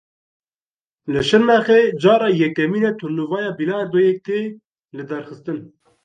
Li Şirnexê cara yekemîn e turnûwaya bîlardoyê tê lidarxistin.